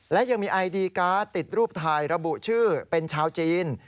และยังมีไอดีการ์ดติดรูปถ่ายระบุชื่อเป็นชาวจีน